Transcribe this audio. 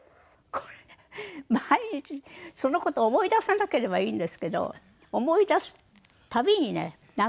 毎日その事を思い出さなければいいんですけど思い出す度にね涙出ます。